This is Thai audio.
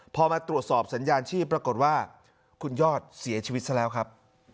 พอมาตรวจสอบสัญญาณชีพปรากฏว่าคุณยอดเสียชีวิตซะแล้วครับ